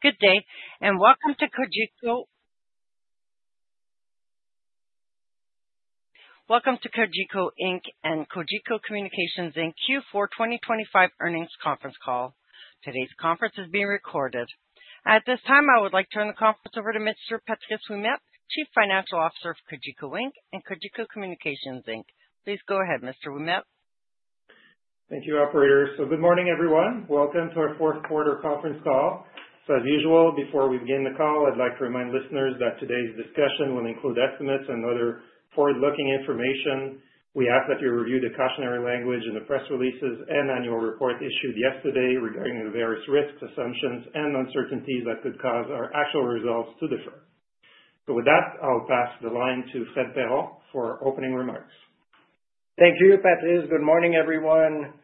Good day, and welcome to Cogeco Inc. and Cogeco Communications Inc. Q4 2025 Earnings Conference Call. Today's conference is being recorded. At this time, I would like to turn the conference over to Mr. Patrice Ouimet, Chief Financial Officer of Cogeco Inc. and Cogeco Communications Inc. Please go ahead, Mr. Ouimet. Thank you, Operator. So good morning, everyone. Welcome to our fourth quarter conference call. So, as usual, before we begin the call, I'd like to remind listeners that today's discussion will include estimates and other forward-looking information. We ask that you review the cautionary language in the press releases and annual report issued yesterday regarding the various risks, assumptions, and uncertainties that could cause our actual results to differ. So, with that, I'll pass the line to Fred Perron for opening remarks. Thank you, Patrice. Good morning, everyone.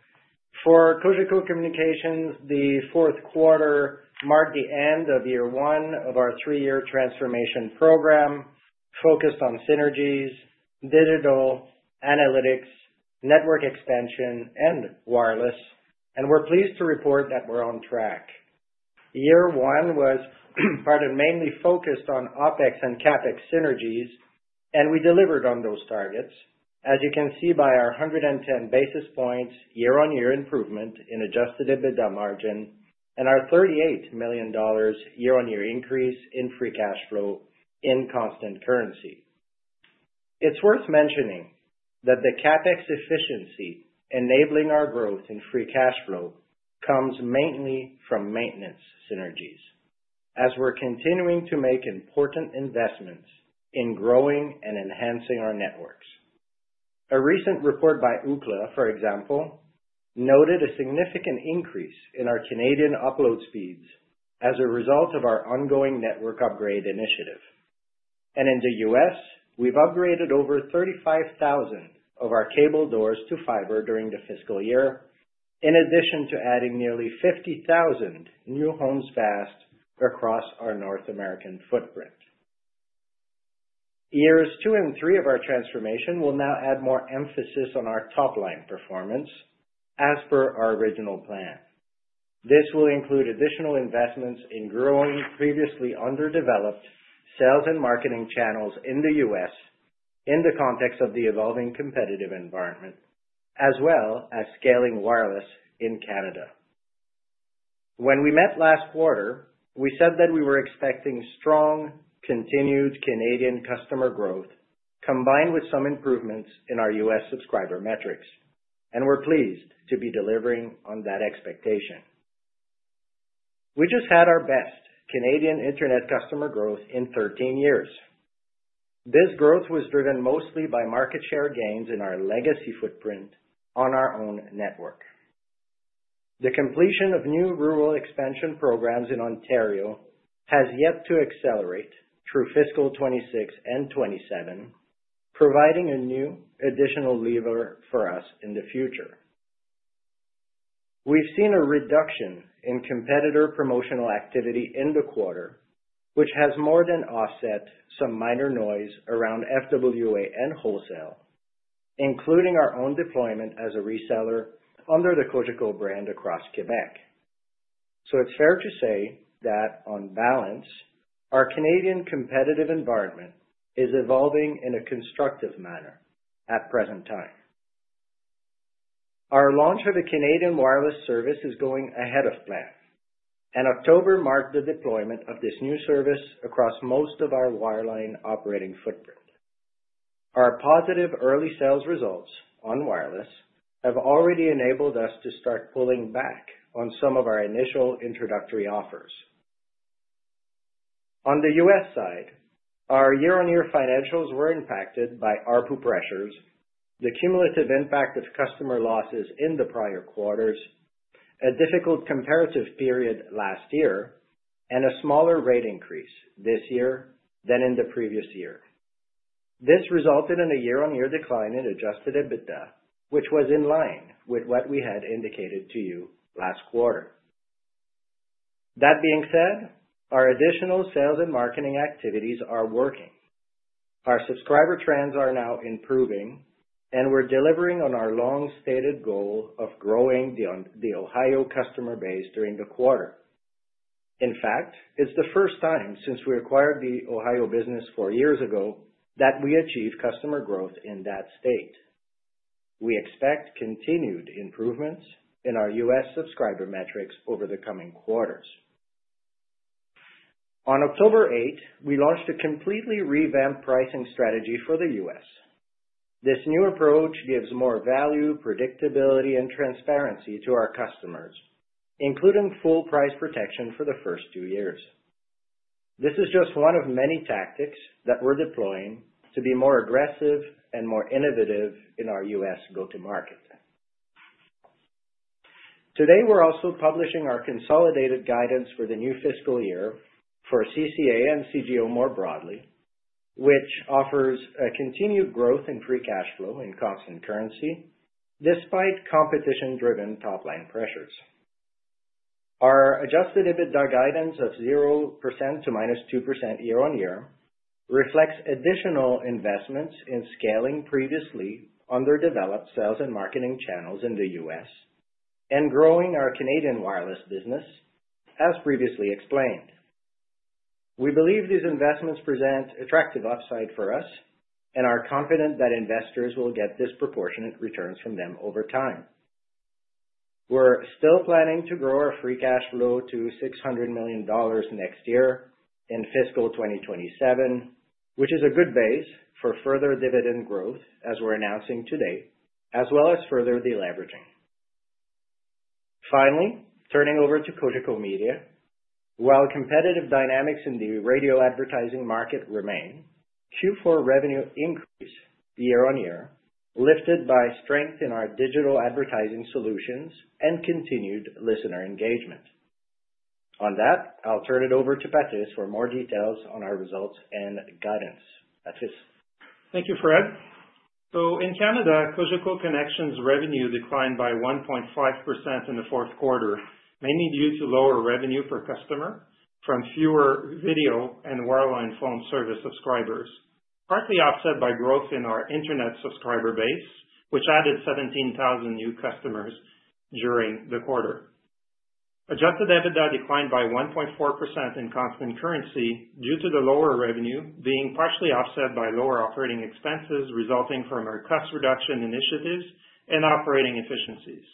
For Cogeco Communications, the fourth quarter marked the end of year one of our three-year transformation program focused on synergies, digital analytics, network expansion, and wireless, and we're pleased to report that we're on track. Year one was, pardon, mainly focused on OpEx and CapEx synergies, and we delivered on those targets, as you can see by our 110 basis points year-on-year improvement in Adjusted EBITDA margin and our 38 million dollars year-on-year increase in free cash flow in constant currency. It's worth mentioning that the CapEx efficiency enabling our growth in free cash flow comes mainly from maintenance synergies, as we're continuing to make important investments in growing and enhancing our networks. A recent report by Ookla, for example, noted a significant increase in our Canadian upload speeds as a result of our ongoing network upgrade initiative. And in the U.S., we've upgraded over 35,000 of our cable doors to fiber during the fiscal year, in addition to adding nearly 50,000 new homes passed across our North American footprint. Years two and three of our transformation will now add more emphasis on our top-line performance, as per our original plan. This will include additional investments in growing previously underdeveloped sales and marketing channels in the U.S. in the context of the evolving competitive environment, as well as scaling wireless in Canada. When we met last quarter, we said that we were expecting strong, continued Canadian customer growth combined with some improvements in our U.S. subscriber metrics, and we're pleased to be delivering on that expectation. We just had our best Canadian internet customer growth in 13 years. This growth was driven mostly by market share gains in our legacy footprint on our own network. The completion of new rural expansion programs in Ontario has yet to accelerate through fiscal 26 and 27, providing a new additional lever for us in the future. We've seen a reduction in competitor promotional activity in the quarter, which has more than offset some minor noise around FWA and wholesale, including our own deployment as a reseller under the Cogeco brand across Quebec. So it's fair to say that, on balance, our Canadian competitive environment is evolving in a constructive manner at present time. Our launch of a Canadian wireless service is going ahead of plan, and October marked the deployment of this new service across most of our wireline operating footprint. Our positive early sales results on wireless have already enabled us to start pulling back on some of our initial introductory offers. On the U.S. side, our year-on-year financials were impacted by ARPU pressures, the cumulative impact of customer losses in the prior quarters, a difficult comparative period last year, and a smaller rate increase this year than in the previous year. This resulted in a year-on-year decline in Adjusted EBITDA, which was in line with what we had indicated to you last quarter. That being said, our additional sales and marketing activities are working. Our subscriber trends are now improving, and we're delivering on our long-stated goal of growing the Ohio customer base during the quarter. In fact, it's the first time since we acquired the Ohio business four years ago that we achieve customer growth in that state. We expect continued improvements in our U.S. subscriber metrics over the coming quarters. On October 8, we launched a completely revamped pricing strategy for the U.S. This new approach gives more value, predictability, and transparency to our customers, including full price protection for the first two years. This is just one of many tactics that we're deploying to be more aggressive and more innovative in our U.S. go-to-market. Today, we're also publishing our consolidated guidance for the new fiscal year for CCA and CGO more broadly, which offers a continued growth in free cash flow in constant currency despite competition-driven top-line pressures. Our Adjusted EBITDA guidance of 0% to -2% year-on-year reflects additional investments in scaling previously underdeveloped sales and marketing channels in the U.S. and growing our Canadian wireless business, as previously explained. We believe these investments present attractive upside for us, and are confident that investors will get disproportionate returns from them over time. We're still planning to grow our free cash flow to 600 million dollars next year in fiscal 2027, which is a good base for further dividend growth, as we're announcing today, as well as further deleveraging. Finally, turning over to Cogeco Media. While competitive dynamics in the radio advertising market remain, Q4 revenue increased year-on-year, lifted by strength in our digital advertising solutions and continued listener engagement. On that, I'll turn it over to Patrice for more details on our results and guidance. Patrice. Thank you, Fred. So, in Canada, Cogeco Connexion's revenue declined by 1.5% in the fourth quarter, mainly due to lower revenue per customer from fewer video and wireline phone service subscribers, partly offset by growth in our internet subscriber base, which added 17,000 new customers during the quarter. Adjusted EBITDA declined by 1.4% in constant currency due to the lower revenue being partially offset by lower operating expenses resulting from our cost reduction initiatives and operating efficiencies.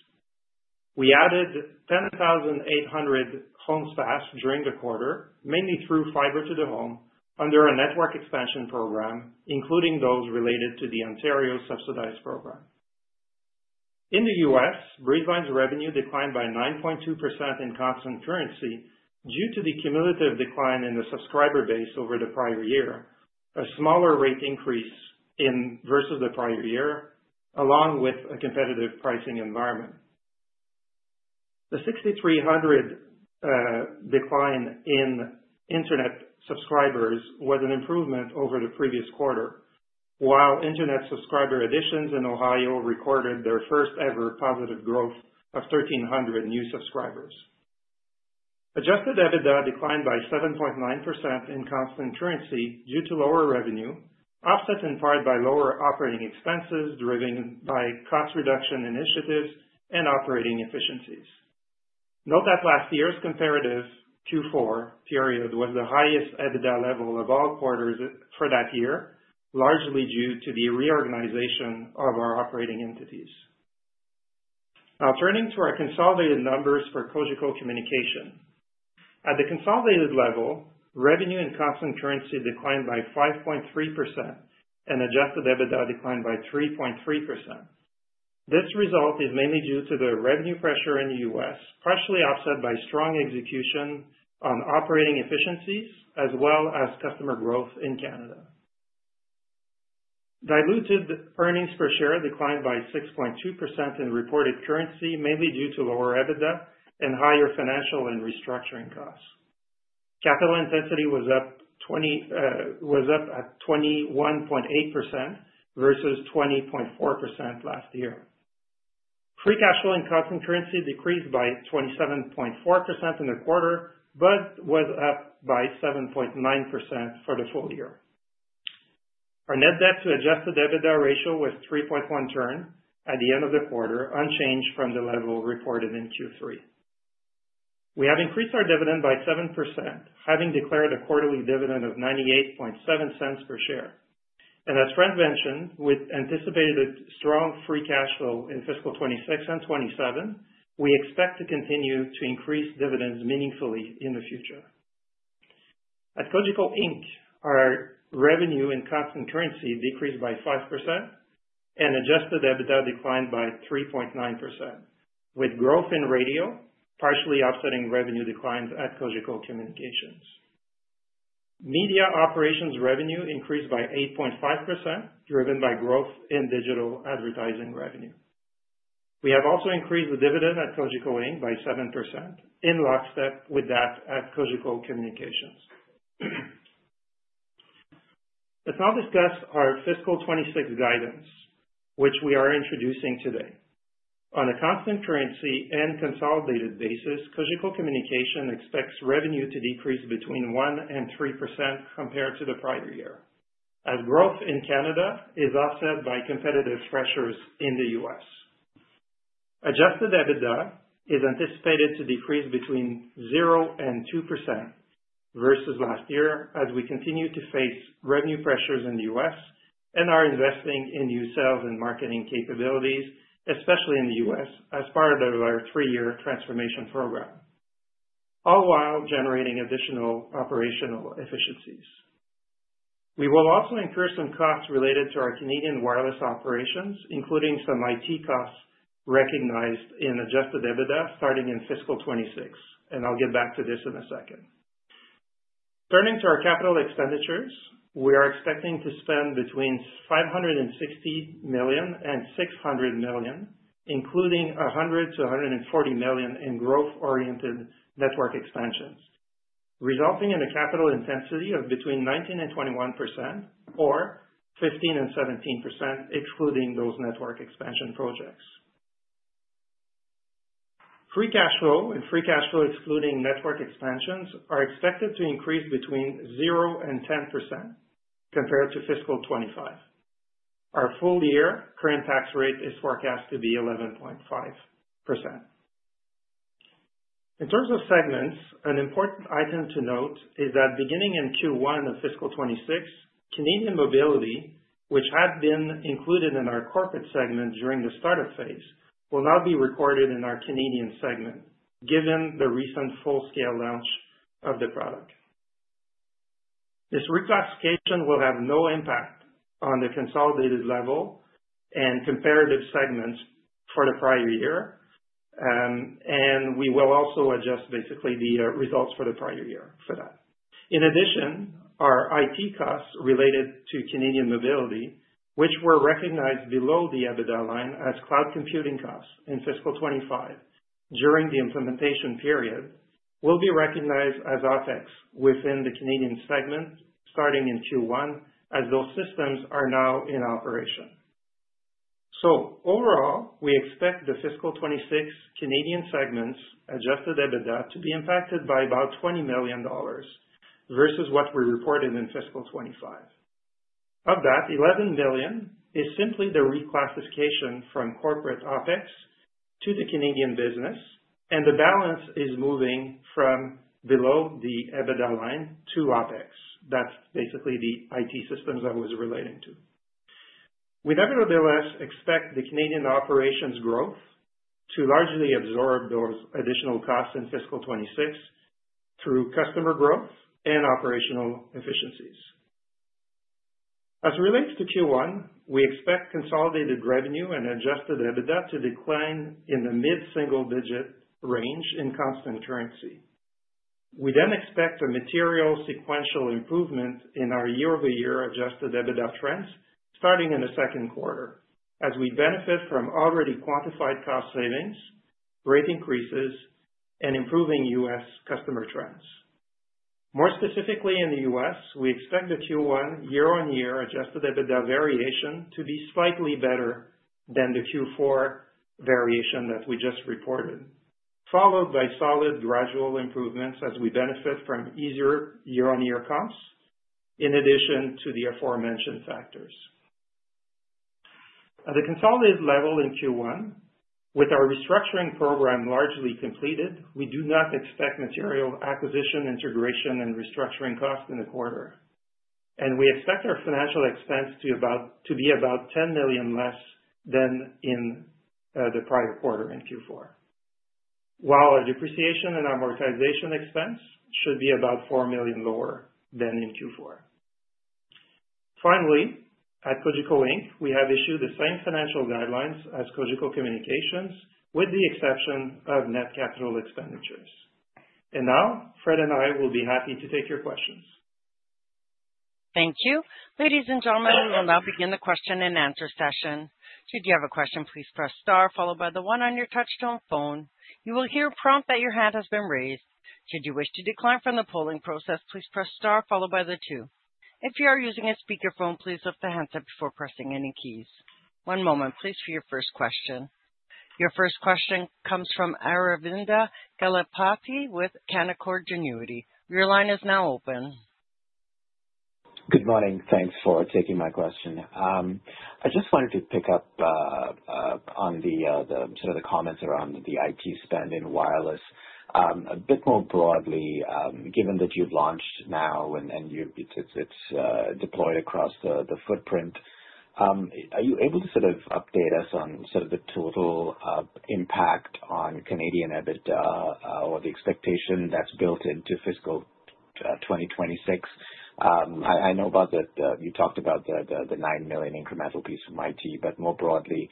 We added 10,800 homes passed during the quarter, mainly through fiber-to-the-home under our network expansion program, including those related to the Ontario subsidized program. In the U.S., Breezeline's revenue declined by 9.2% in constant currency due to the cumulative decline in the subscriber base over the prior year, a smaller rate increase versus the prior year, along with a competitive pricing environment. The 6,300 decline in internet subscribers was an improvement over the previous quarter, while internet subscriber additions in Ohio recorded their first-ever positive growth of 1,300 new subscribers. Adjusted EBITDA declined by 7.9% in constant currency due to lower revenue, offset in part by lower operating expenses driven by cost reduction initiatives and operating efficiencies. Note that last year's comparative Q4 period was the highest EBITDA level of all quarters for that year, largely due to the reorganization of our operating entities. Now, turning to our consolidated numbers for Cogeco Communications. At the consolidated level, revenue in constant currency declined by 5.3%, and Adjusted EBITDA declined by 3.3%. This result is mainly due to the revenue pressure in the U.S., partially offset by strong execution on operating efficiencies, as well as customer growth in Canada. Diluted earnings per share declined by 6.2% in reported currency, mainly due to lower EBITDA and higher financial and restructuring costs. Capital intensity was up at 21.8% versus 20.4% last year. Free cash flow in constant currency decreased by 27.4% in the quarter, but was up by 7.9% for the full year. Our net debt to Adjusted EBITDA ratio was 3.1 turn at the end of the quarter, unchanged from the level reported in Q3. We have increased our dividend by 7%, having declared a quarterly dividend of 0.987 per share, and as Fred mentioned, with anticipated strong free cash flow in fiscal 26 and 27, we expect to continue to increase dividends meaningfully in the future. At Cogeco Inc., our revenue in constant currency decreased by 5%, and Adjusted EBITDA declined by 3.9%, with growth in radio partially offsetting revenue declines at Cogeco Communications. Media operations revenue increased by 8.5%, driven by growth in digital advertising revenue. We have also increased the dividend at Cogeco Inc. by 7%, in lockstep with that at Cogeco Communications. Let's now discuss our fiscal 26 guidance, which we are introducing today. On a constant currency and consolidated basis, Cogeco Communications expects revenue to decrease between 1% and 3% compared to the prior year, as growth in Canada is offset by competitive pressures in the U.S. Adjusted EBITDA is anticipated to decrease between 0% and 2% versus last year, as we continue to face revenue pressures in the U.S. and are investing in new sales and marketing capabilities, especially in the U.S., as part of our three-year transformation program, all while generating additional operational efficiencies. We will also incur some costs related to our Canadian wireless operations, including some IT costs recognized in Adjusted EBITDA starting in fiscal 2026, and I'll get back to this in a second. Turning to our capital expenditures, we are expecting to spend between 560 million and 600 million, including 100 million to 140 million in growth-oriented network expansions, resulting in a capital intensity of between 19% and 21%, or 15% and 17%, excluding those network expansion projects. free cash flow and free cash flow, excluding network expansions, are expected to increase between 0% and 10% compared to fiscal 25. Our full-year current tax rate is forecast to be 11.5%. In terms of segments, an important item to note is that beginning in Q1 of fiscal 26, Canadian mobility, which had been included in our corporate segment during the startup phase, will now be recorded in our Canadian segment, given the recent full-scale launch of the product. This reclassification will have no impact on the consolidated level and comparative segments for the prior year, and we will also adjust basically the results for the prior year for that. In addition, our IT costs related to Canadian mobility, which were recognized below the EBITDA line as cloud computing costs in fiscal 25 during the implementation period, will be recognized as OpEx within the Canadian segment starting in Q1, as those systems are now in operation. So, overall, we expect the fiscal 2026 Canadian segment's Adjusted EBITDA to be impacted by about 20 million dollars versus what we reported in fiscal 2025. Of that, 11 million is simply the reclassification from corporate OpEx to the Canadian business, and the balance is moving from below the EBITDA line to OpEx. That's basically the IT systems I was relating to. We nevertheless expect the Canadian operations growth to largely absorb those additional costs in fiscal 26 through customer growth and operational efficiencies. As it relates to Q1, we expect consolidated revenue and Adjusted EBITDA to decline in the mid-single-digit range in constant currency. We then expect a material sequential improvement in our year-over-year Adjusted EBITDA trends starting in the second quarter, as we benefit from already quantified cost savings, rate increases, and improving US customer trends. More specifically, in the U.S., we expect the Q1 year-on-year Adjusted EBITDA variation to be slightly better than the Q4 variation that we just reported, followed by solid gradual improvements as we benefit from easier year-on-year costs in addition to the aforementioned factors. At the consolidated level in Q1, with our restructuring program largely completed, we do not expect material acquisition, integration, and restructuring costs in the quarter, and we expect our financial expense to be about 10 million less than in the prior quarter in Q4, while our depreciation and amortization expense should be about four million lower than in Q4. Finally, at Cogeco Inc., we have issued the same financial guidelines as Cogeco Communications, with the exception of net capital expenditures. And now, Fred and I will be happy to take your questions. Thank you. Ladies and gentlemen, we will now begin the question and answer session. Should you have a question, please press star, followed by the 1 on your touch-tone phone. You will hear a prompt that your hand has been raised. Should you wish to decline from the polling process, please press star, followed by the 2. If you are using a speakerphone, please lift the handset up before pressing any keys. One moment, please, for your first question. Your first question comes from Aravinda Galappatthige with Canaccord Genuity. Your line is now open. Good morning. Thanks for taking my question. I just wanted to pick up on sort of the comments around the IT spend in wireless. A bit more broadly, given that you've launched now and it's deployed across the footprint, are you able to sort of update us on sort of the total impact on Canadian EBITDA or the expectation that's built into fiscal 2026? I know about that you talked about the 9 million incremental piece from IT, but more broadly,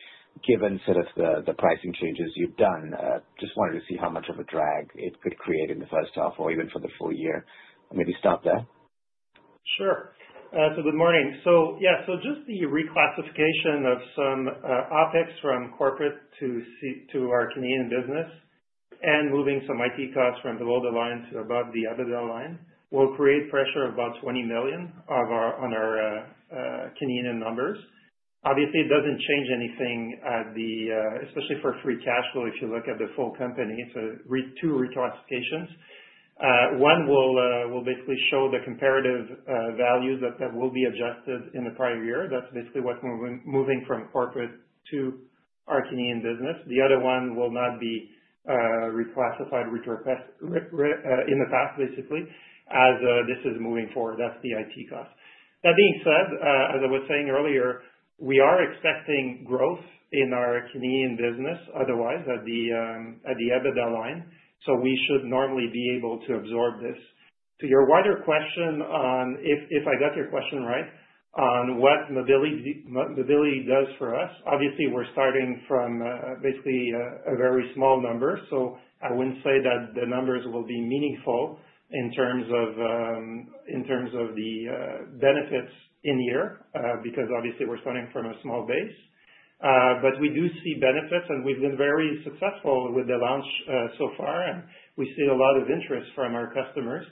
given sort of the pricing changes you've done, just wanted to see how much of a drag it could create in the first half or even for the full year. Maybe start there. Sure. Good morning. Yeah, so just the reclassification of some OpEx from corporate to our Canadian business and moving some IT costs from below the line to above the EBITDA line will create pressure of about 20 million on our Canadian numbers. Obviously, it doesn't change anything, especially for free cash flow if you look at the full company. Two reclassifications. One will basically show the comparative values that will be adjusted in the prior year. That's basically what we're moving from corporate to our Canadian business. The other one will not be reclassified in the past, basically, as this is moving forward. That's the IT cost. That being said, as I was saying earlier, we are expecting growth in our Canadian business otherwise at the EBITDA line, so we should normally be able to absorb this. To your wider question on if I got your question right on what mobility does for us, obviously, we're starting from basically a very small number, so I wouldn't say that the numbers will be meaningful in terms of the benefits in year because obviously, we're starting from a small base, but we do see benefits, and we've been very successful with the launch so far, and we see a lot of interest from our customers,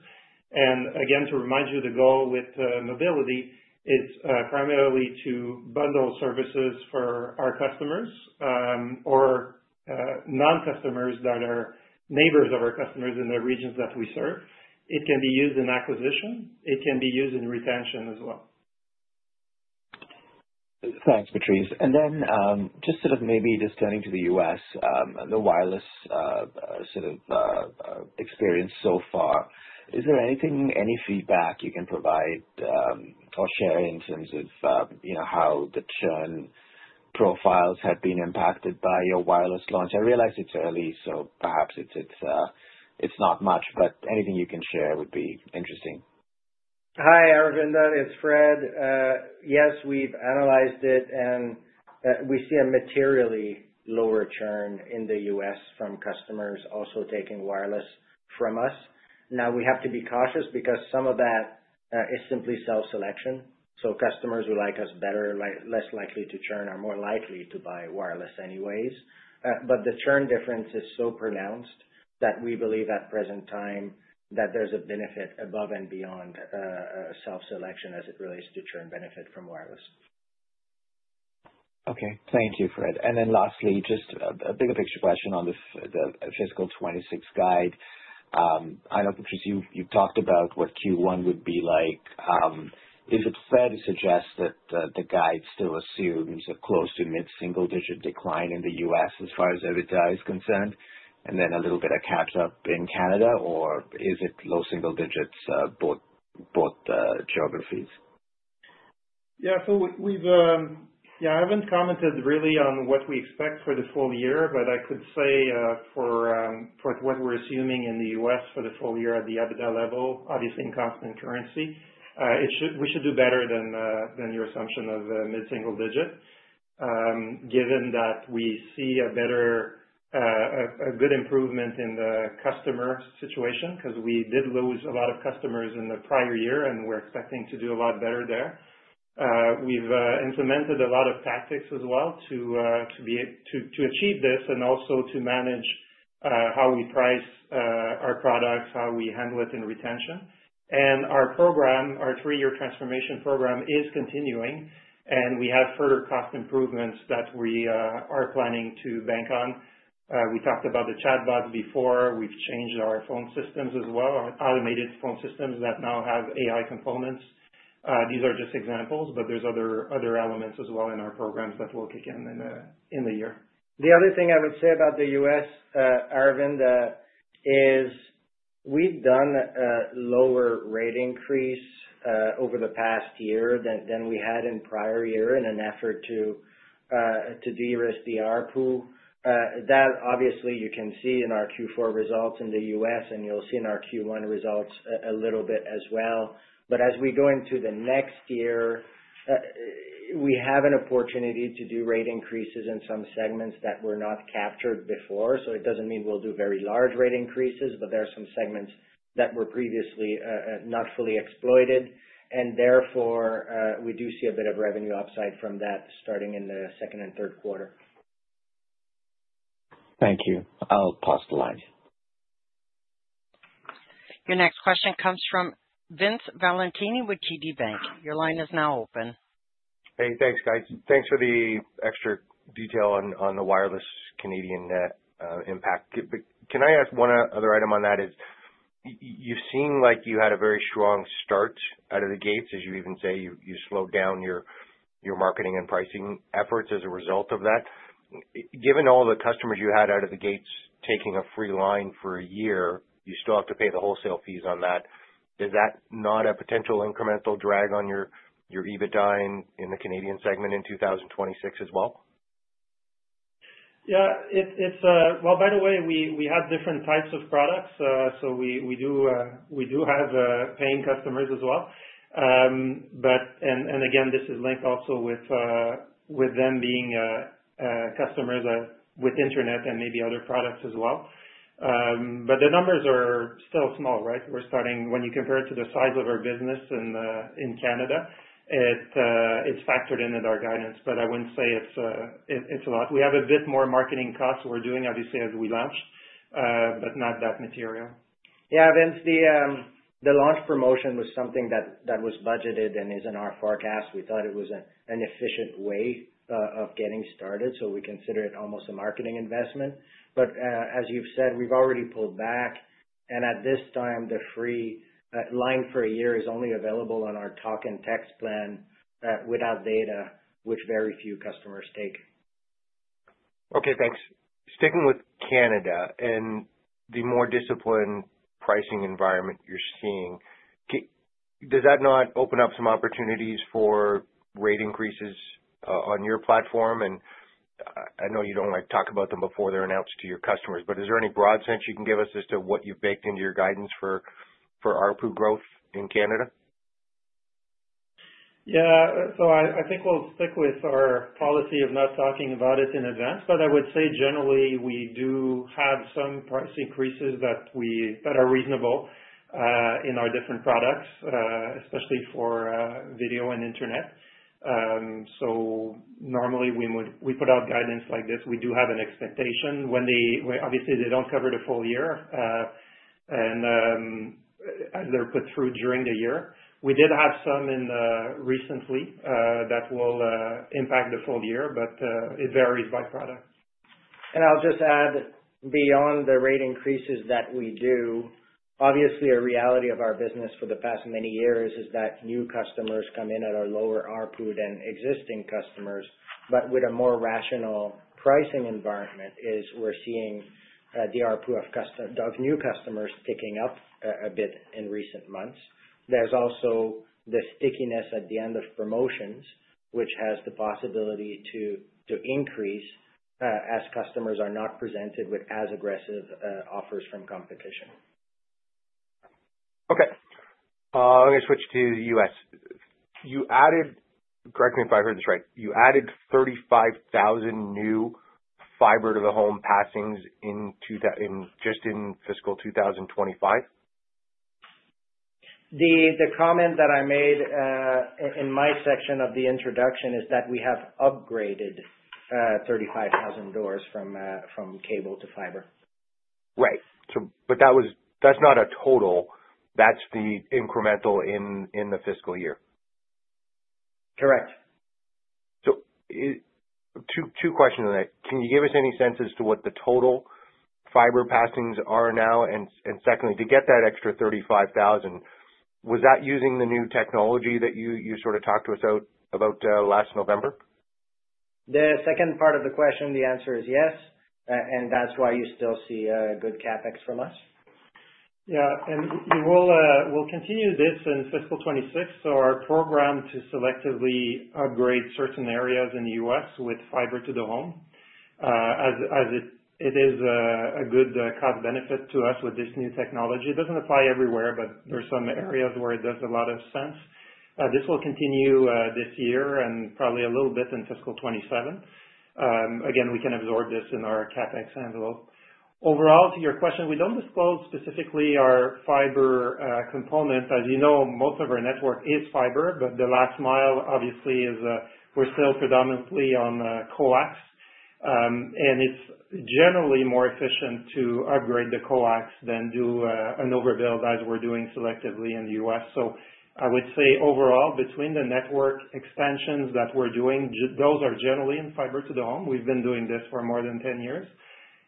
and again, to remind you, the goal with mobility is primarily to bundle services for our customers or non-customers that are neighbors of our customers in the regions that we serve. It can be used in acquisition. It can be used in retention as well. Thanks, Patrice. And then just sort of maybe just turning to the U.S., the wireless sort of experience so far, is there anything, any feedback you can provide or share in terms of how the churn profiles have been impacted by your wireless launch? I realize it's early, so perhaps it's not much, but anything you can share would be interesting. Hi, Aravinda. It's Fred. Yes, we've analyzed it, and we see a materially lower churn in the U.S. from customers also taking wireless from us. Now, we have to be cautious because some of that is simply self-selection. So customers who like us better are less likely to churn or more likely to buy wireless anyways. But the churn difference is so pronounced that we believe at present time that there's a benefit above and beyond self-selection as it relates to churn benefit from wireless. Okay. Thank you, Fred. And then lastly, just a bigger picture question on the fiscal 2026 guide. I know, Patrice, you've talked about what Q1 would be like. Is it fair to suggest that the guide still assumes a close to mid-single-digit decline in the U.S. as far as EBITDA is concerned? And then a little bit of catch-up in Canada, or is it low single digits both geographies? Yeah. So I haven't commented really on what we expect for the full year, but I could say for what we're assuming in the U.S. for the full year at the EBITDA level, obviously in constant currency, we should do better than your assumption of mid-single digit, given that we see a better, a good improvement in the customer situation because we did lose a lot of customers in the prior year, and we're expecting to do a lot better there. We've implemented a lot of tactics as well to achieve this and also to manage how we price our products, how we handle it in retention. And our program, our three-year transformation program, is continuing, and we have further cost improvements that we are planning to bank on. We talked about the chatbots before. We've changed our phone systems as well, automated phone systems that now have AI components. These are just examples, but there's other elements as well in our programs that will kick in in the year. The other thing I would say about the U.S., Aravinda, is we've done a lower rate increase over the past year than we had in prior year in an effort to de-risk the ARPU. That, obviously, you can see in our Q4 results in the U.S., and you'll see in our Q1 results a little bit as well. But as we go into the next year, we have an opportunity to do rate increases in some segments that were not captured before. So it doesn't mean we'll do very large rate increases, but there are some segments that were previously not fully exploited, and therefore, we do see a bit of revenue upside from that starting in the second and third quarter. Thank you. I'll pass the line. Your next question comes from Vince Valentini with TD Bank. Your line is now open. Hey, thanks, guys. Thanks for the extra detail on the wireless Canadian impact. Can I ask one other item on that? You've seen like you had a very strong start out of the gates, as you even say. You slowed down your marketing and pricing efforts as a result of that. Given all the customers you had out of the gates taking a free line for a year, you still have to pay the wholesale fees on that. Is that not a potential incremental drag on your EBITDA in the Canadian segment in 2026 as well? Yeah. Well, by the way, we have different types of products, so we do have paying customers as well. And again, this is linked also with them being customers with internet and maybe other products as well. But the numbers are still small, right? When you compare it to the size of our business in Canada, it's factored in in our guidance, but I wouldn't say it's a lot. We have a bit more marketing costs we're doing, obviously, as we launched, but not that material. Yeah. Vince, the launch promotion was something that was budgeted and is in our forecast. We thought it was an efficient way of getting started, so we consider it almost a marketing investment. But as you've said, we've already pulled back, and at this time, the free line for a year is only available on our talk-and-text plan without data, which very few customers take. Okay. Thanks. Sticking with Canada and the more disciplined pricing environment you're seeing, does that not open up some opportunities for rate increases on your platform? And I know you don't talk about them before they're announced to your customers, but is there any broad sense you can give us as to what you've baked into your guidance for ARPU growth in Canada? Yeah, so I think we'll stick with our policy of not talking about it in advance, but I would say generally, we do have some price increases that are reasonable in our different products, especially for video and internet, so normally, we put out guidance like this. We do have an expectation when they obviously, they don't cover the full year as they're put through during the year. We did have some recently that will impact the full year, but it varies by product. And I'll just add, beyond the rate increases that we do, obviously, a reality of our business for the past many years is that new customers come in at our lower ARPU than existing customers. But with a more rational pricing environment, we're seeing the ARPU of new customers ticking up a bit in recent months. There's also the stickiness at the end of promotions, which has the possibility to increase as customers are not presented with as aggressive offers from competition. Okay. I'm going to switch to the US. Correct me if I heard this right. You added 35,000 new fiber-to-the-home passing just in fiscal 2025? The comment that I made in my section of the introduction is that we have upgraded 35,000 doors from cable to fiber. Right. But that's not a total. That's the incremental in the fiscal year. Correct. So two questions on that. Can you give us any sense to what the total fiber passing are now? And secondly, to get that extra 35,000, was that using the new technology that you sort of talked to us about last November? The second part of the question, the answer is yes, and that's why you still see good CapEx from us. Yeah, and we'll continue this in fiscal 2026. So our program to selectively upgrade certain areas in the U.S. with fiber-to-the-home, as it is a good cost-benefit to us with this new technology. It doesn't apply everywhere, but there are some areas where it does a lot of sense. This will continue this year and probably a little bit in fiscal 2027. Again, we can absorb this in our CapEx envelope. Overall, to your question, we don't disclose specifically our fiber components. As you know, most of our network is fiber, but the last mile, obviously, we're still predominantly on coax, and it's generally more efficient to upgrade the coax than do an overbuild as we're doing selectively in the U.S. So I would say overall, between the network expansions that we're doing, those are generally in fiber-to-the-home. We've been doing this for more than 10 years.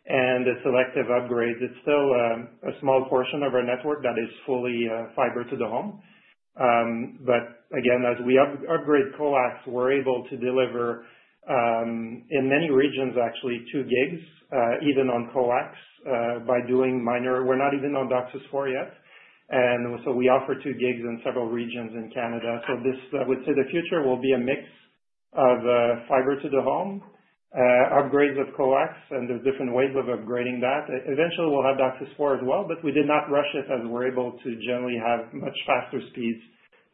The selective upgrades, it's still a small portion of our network that is fully fiber-to-the-home. But again, as we upgrade coax, we're able to deliver in many regions, actually, 2 gigs, even on coax by doing minor. We're not even on DOCSIS 4 yet. And so we offer 2 gigs in several regions in Canada. So I would say the future will be a mix of fiber-to-the-home, upgrades of coax, and there's different ways of upgrading that. Eventually, we'll have DOCSIS 4 as well, but we did not rush it as we're able to generally have much faster speeds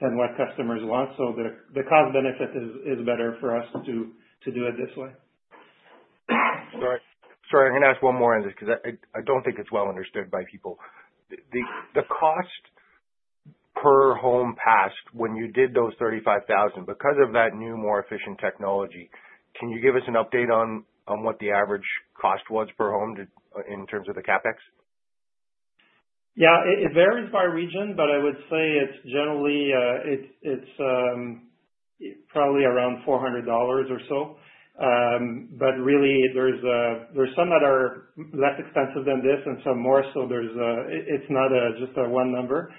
than what customers want. So the cost-benefit is better for us to do it this way. Sorry. I'm going to ask one more on this because I don't think it's well understood by people. The cost per home passed when you did those 35,000, because of that new, more efficient technology, can you give us an update on what the average cost was per home in terms of the CapEx? Yeah. It varies by region, but I would say it's generally probably around $400 or so. But really, there's some that are less expensive than this and some more, so it's not just a one number.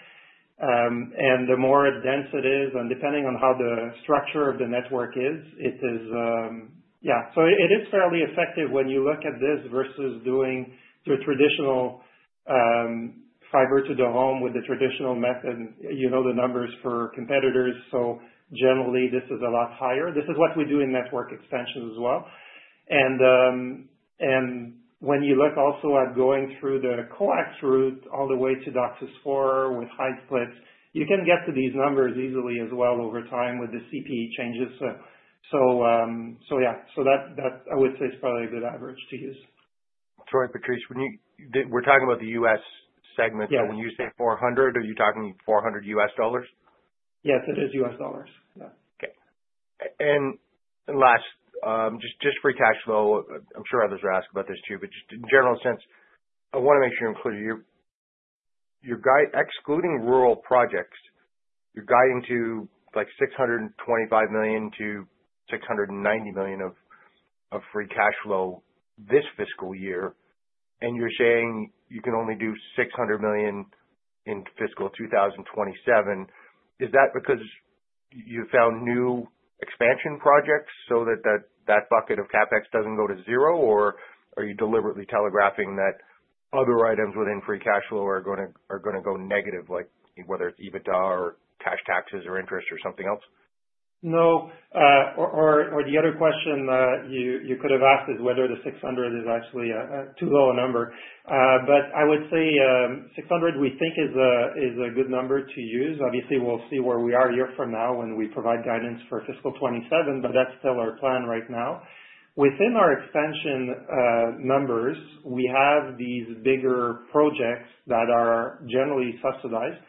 And the more dense it is, and depending on how the structure of the network is, it is yeah. So it is fairly effective when you look at this versus doing the traditional fiber-to-the-home with the traditional method. You know the numbers for competitors, so generally, this is a lot higher. This is what we do in network expansions as well. And when you look also at going through the coax route all the way to DOCSIS 4 with high splits, you can get to these numbers easily as well over time with the CPE changes. So yeah. So I would say it's probably a good average to use. Sorry, Patrice. We're talking about the U.S. segment. So when you say 400, are you talking $400? Yes, it is U.S. dollars. Yeah. Okay. And last, just for Cash Flow, I'm sure others are asked about this too, but just in general sense, I want to make sure you're clear. Excluding rural projects, you're guiding to like 625 million-690 million of free cash flow this fiscal year, and you're saying you can only do 600 million in fiscal 2027. Is that because you found new expansion projects so that that bucket of CapEx doesn't go to zero, or are you deliberately telegraphing that other items within free cash flow are going to go negative, whether it's EBITDA or cash taxes or interest or something else? No, or the other question that you could have asked is whether the 600 is actually too low a number, but I would say 600, we think, is a good number to use. Obviously, we'll see where we are a year from now when we provide guidance for fiscal 27, but that's still our plan right now. Within our expansion numbers, we have these bigger projects that are generally subsidized,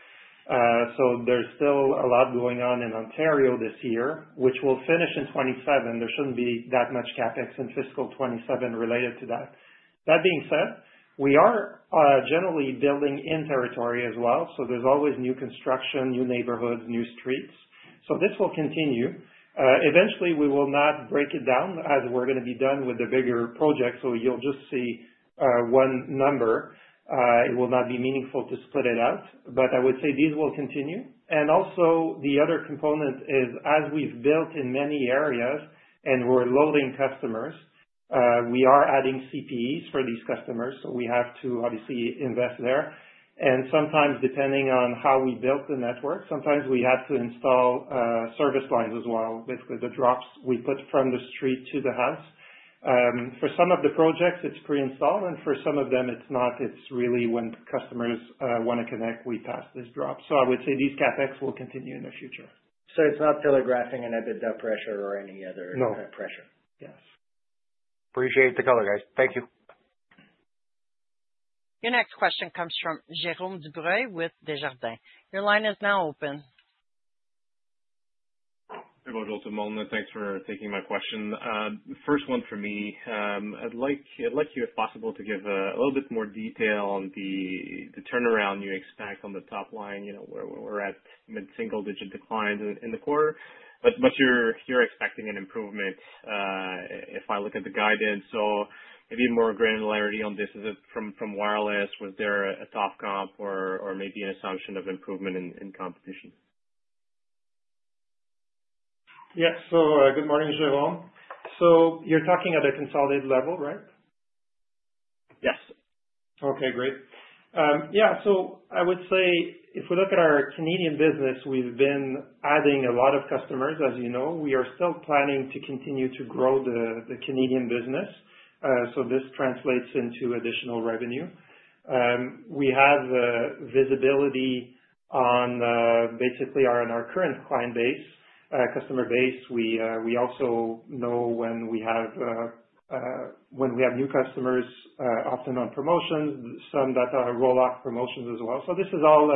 so there's still a lot going on in Ontario this year, which will finish in 27. There shouldn't be that much CapEx in fiscal 27 related to that. That being said, we are generally building in territory as well, so there's always new construction, new neighborhoods, new streets. So this will continue. Eventually, we will not break it down as we're going to be done with the bigger projects, so you'll just see one number. It will not be meaningful to split it out, but I would say these will continue. And also, the other component is, as we've built in many areas and we're loading customers, we are adding CPEs for these customers. So we have to obviously invest there. And sometimes, depending on how we built the network, sometimes we have to install service lines as well, basically the drops we put from the street to the house. For some of the projects, it's pre-installed, and for some of them, it's not. It's really when customers want to connect, we pass this drop. So I would say these CapEx will continue in the future. So it's not telegraphing an EBITDA pressure or any other pressure? No. Yes. Appreciate the call, guys. Thank you. Your next question comes from Jérôme Dubreuil with Desjardins. Your line is now open. Hey, Thanks for taking my question. First one for me. I'd like you, if possible, to give a little bit more detail on the turnaround you expect on the top line, where we're at mid-single-digit declines in the quarter. But you're expecting an improvement if I look at the guidance. So maybe more granularity on this. Is it from wireless? Was there a top comp or maybe an assumption of improvement in competition? Yes. So good morning, Jérôme. So you're talking at a consolidated level, right? Yes. Okay. Great. Yeah. So I would say if we look at our Canadian business, we've been adding a lot of customers, as you know. We are still planning to continue to grow the Canadian business, so this translates into additional revenue. We have visibility on basically our current client base, customer base. We also know when we have new customers, often on promotions, some that are roll-off promotions as well. So this is all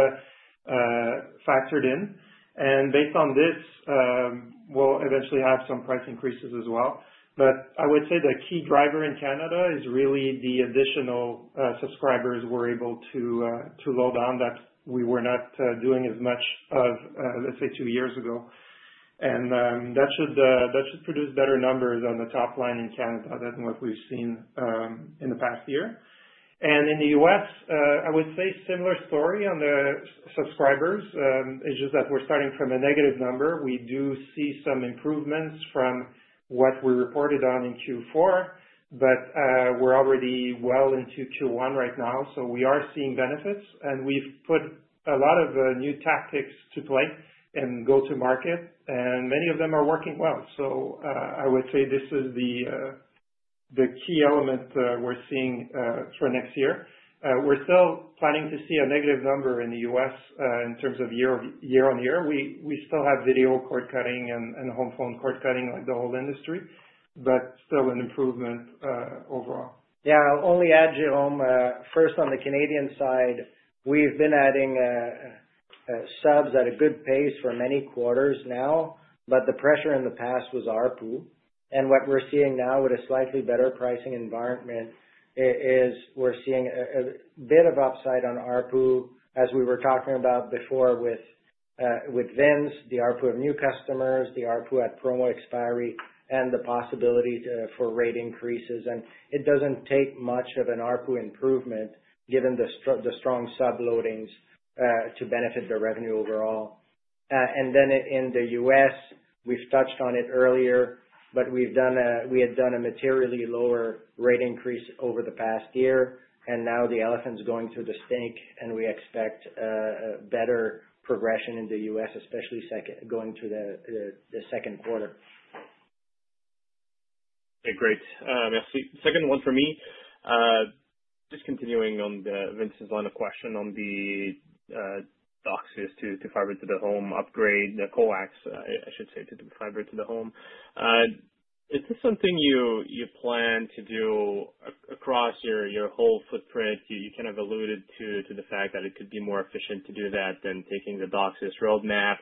factored in. And based on this, we'll eventually have some price increases as well. But I would say the key driver in Canada is really the additional subscribers we're able to load on that we were not doing as much of, let's say, two years ago. And that should produce better numbers on the top line in Canada than what we've seen in the past year. And in the U.S., I would say similar story on the subscribers. It's just that we're starting from a negative number. We do see some improvements from what we reported on in Q4, but we're already well into Q1 right now. So we are seeing benefits, and we've put a lot of new tactics to play and go to market, and many of them are working well. So I would say this is the key element we're seeing for next year. We're still planning to see a negative number in the U.S. in terms of year-on-year. We still have video cord cutting and home phone cord cutting like the whole industry, but still an improvement overall. Yeah. I'll only add, Jérôme, first on the Canadian side, we've been adding subs at a good pace for many quarters now, but the pressure in the past was ARPU, and what we're seeing now with a slightly better pricing environment is we're seeing a bit of upside on ARPU, as we were talking about before with Vince, the ARPU of new customers, the ARPU at promo expiry, and the possibility for rate increases, and it doesn't take much of an ARPU improvement given the strong sub loadings to benefit the revenue overall, and then in the U.S., we've touched on it earlier, but we had done a materially lower rate increase over the past year, and now the elephant's going through the stink, and we expect better progression in the U.S., especially going through the second quarter. Okay. Great. Yeah. Second one for me, just continuing on Vince's line of question on the DOCSIS to fiber-to-the-home upgrade, the coax, I should say, to the fiber-to-the-home. Is this something you plan to do across your whole footprint? You kind of alluded to the fact that it could be more efficient to do that than taking the DOCSIS roadmap,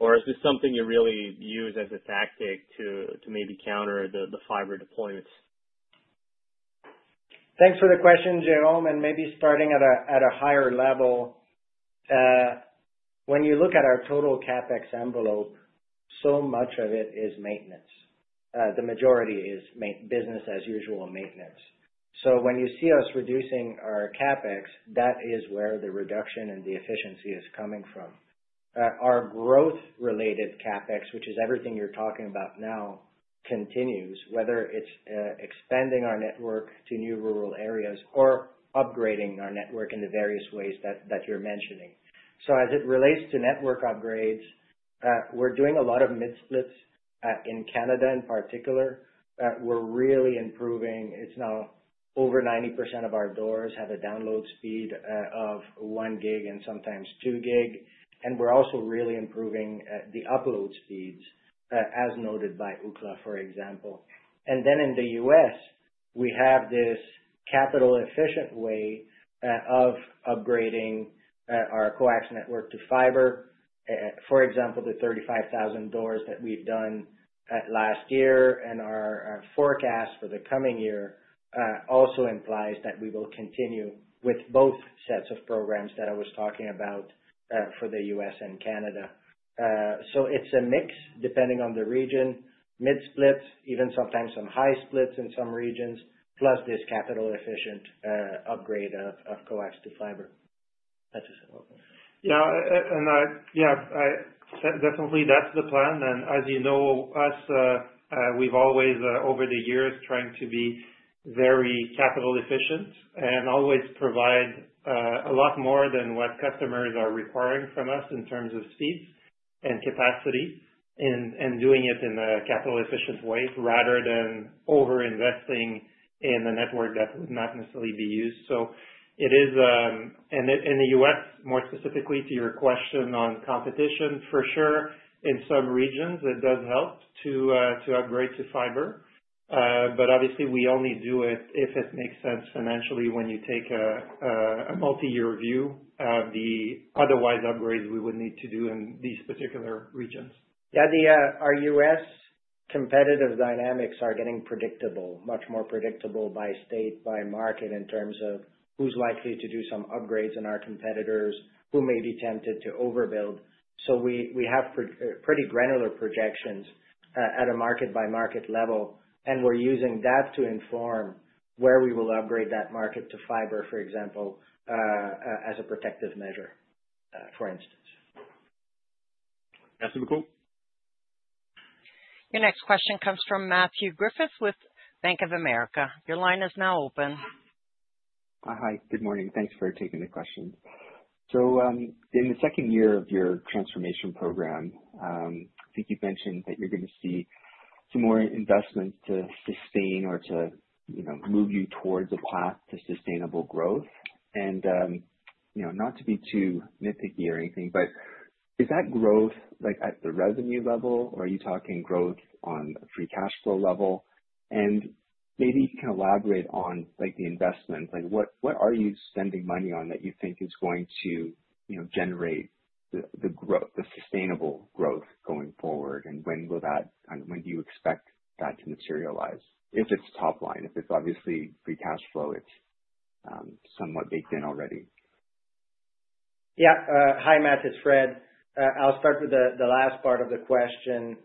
or is this something you really use as a tactic to maybe counter the fiber deployments? Thanks for the question, Jérôme, and maybe starting at a higher level, when you look at our total CapEx envelope, so much of it is maintenance. The majority is business as usual maintenance, so when you see us reducing our CapEx, that is where the reduction and the efficiency is coming from. Our growth-related CapEx, which is everything you're talking about now, continues, whether it's expanding our network to new rural areas or upgrading our network in the various ways that you're mentioning, so as it relates to network upgrades, we're doing a lot of mid-splits in Canada in particular. We're really improving. It's now over 90% of our doors have a download speed of 1 gig and sometimes 2 gig, and we're also really improving the upload speeds, as noted by Ookla, for example. And then in the U.S., we have this capital-efficient way of upgrading our coax network to fiber, for example, the 35,000 doors that we've done last year. And our forecast for the coming year also implies that we will continue with both sets of programs that I was talking about for the U.S. and Canada. So it's a mix depending on the region, mid-splits, even sometimes some high splits in some regions, plus this capital-efficient upgrade of coax to fiber. Yeah. Yeah, definitely that's the plan, and as you know, us, we've always, over the years, tried to be very capital-efficient and always provide a lot more than what customers are requiring from us in terms of speeds and capacity and doing it in a capital-efficient way rather than over-investing in a network that would not necessarily be used. It is, and in the U.S., more specifically to your question on competition, for sure, in some regions, it does help to upgrade to fiber, but obviously, we only do it if it makes sense financially when you take a multi-year view of the otherwise upgrades we would need to do in these particular regions. Yeah. Our U.S. competitive dynamics are getting predictable, much more predictable by state, by market in terms of who's likely to do some upgrades in our competitors, who may be tempted to overbuild, so we have pretty granular projections at a market-by-market level, and we're using that to inform where we will upgrade that market to fiber, for example, as a protective measure, for instance. Thanks, Your next question comes from Matthew Griffiths with Bank of America. Your line is now open. Hi. Good morning. Thanks for taking the question. So in the second year of your transformation program, I think you've mentioned that you're going to see some more investments to sustain or to move you towards a path to sustainable growth. And not to be too nitpicky or anything, but is that growth at the revenue level, or are you talking growth on a free cash flow level? And maybe you can elaborate on the investments. What are you spending money on that you think is going to generate the sustainable growth going forward, and when will that kind of do you expect that to materialize? If it's top line, if it's obviously free cash flow, it's somewhat baked in already. Yeah. Hi, Matthew, it's Fred. I'll start with the last part of the question.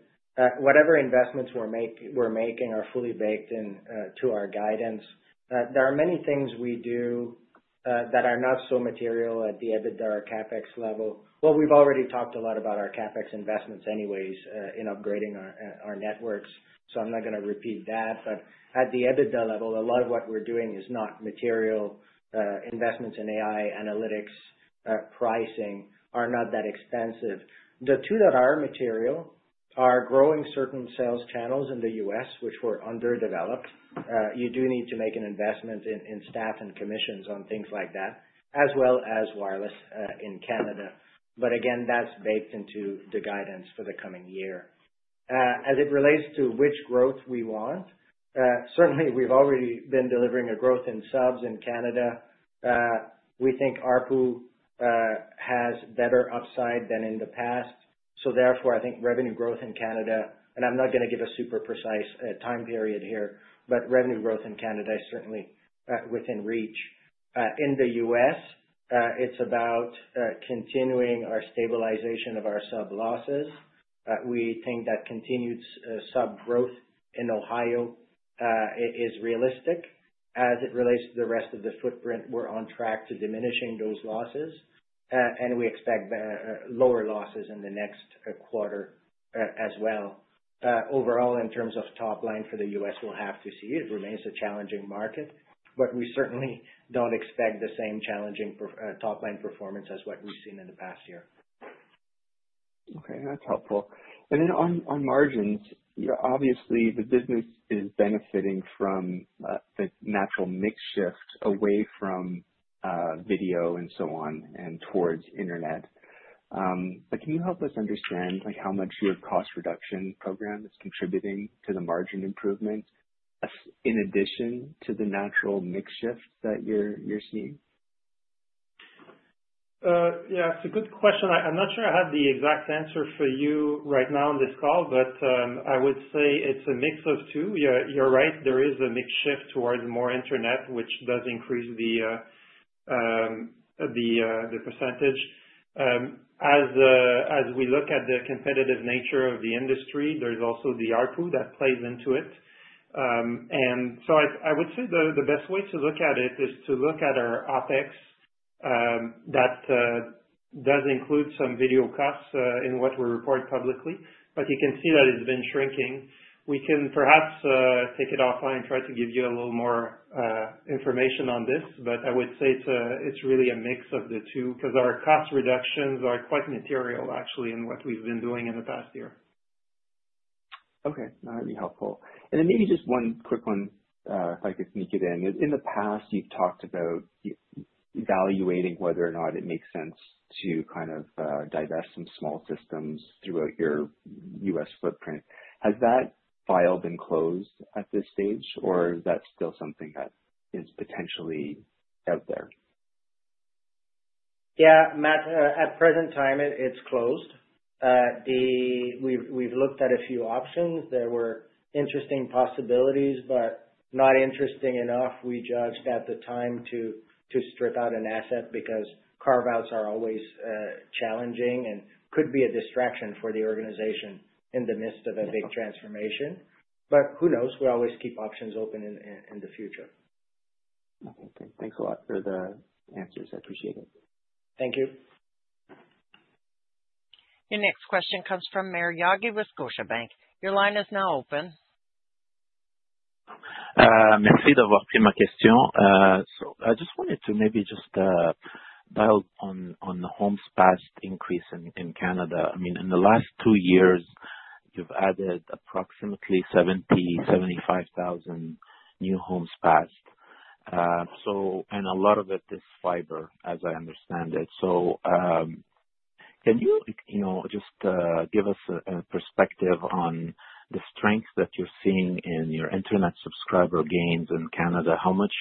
Whatever investments we're making are fully baked into our guidance. There are many things we do that are not so material at the EBITDA or CapEx level. We've already talked a lot about our CapEx investments anyways in upgrading our networks, so I'm not going to repeat that. But at the EBITDA level, a lot of what we're doing is not material. Investments in AI analytics pricing are not that expensive. The two that are material are growing certain sales channels in the U.S., which were underdeveloped. You do need to make an investment in staff and commissions on things like that, as well as wireless in Canada. But again, that's baked into the guidance for the coming year. As it relates to which growth we want, certainly we've already been delivering a growth in subs in Canada. We think ARPU has better upside than in the past. So therefore, I think revenue growth in Canada, and I'm not going to give a super precise time period here, but revenue growth in Canada is certainly within reach. In the U.S., it's about continuing our stabilization of our sub losses. We think that continued sub growth in Ohio is realistic. As it relates to the rest of the footprint, we're on track to diminishing those losses, and we expect lower losses in the next quarter as well. Overall, in terms of top line for the U.S., we'll have to see. It remains a challenging market, but we certainly don't expect the same challenging top line performance as what we've seen in the past year. Okay. That's helpful, and then on margins, obviously, the business is benefiting from the natural mix shift away from video and so on and towards internet, but can you help us understand how much your cost reduction program is contributing to the margin improvement in addition to the natural mix shift that you're seeing? Yeah. It's a good question. I'm not sure I have the exact answer for you right now on this call, but I would say it's a mix of two. You're right. There is a mix shift towards more internet, which does increase the percentage. As we look at the competitive nature of the industry, there's also the ARPU that plays into it, and so I would say the best way to look at it is to look at our OpEx that does include some video costs in what we report publicly, but you can see that it's been shrinking. We can perhaps take it offline and try to give you a little more information on this, but I would say it's really a mix of the two because our cost reductions are quite material, actually, in what we've been doing in the past year. Okay. That would be helpful. And then maybe just one quick one, if I could sneak it in. In the past, you've talked about evaluating whether or not it makes sense to kind of divest some small systems throughout your U.S. footprint. Has that file been closed at this stage, or is that still something that is potentially out there? Yeah. Matt, at present time, it's closed. We've looked at a few options. There were interesting possibilities, but not interesting enough, we judged at the time to strip out an asset because carve-outs are always challenging and could be a distraction for the organization in the midst of a big transformation. But who knows? We always keep options open in the future. Okay. Thanks a lot for the answers. I appreciate it. Thank you. Your next question comes from Maher Yaghi with Scotiabank. Your line is now open. So I just wanted to maybe just drill down on the homes passed increase in Canada. I mean, in the last two years, you've added approximately 70,000-75,000 new homes passed. And a lot of it is fiber, as I understand it. So can you just give us a perspective on the strength that you're seeing in your internet subscriber gains in Canada? How much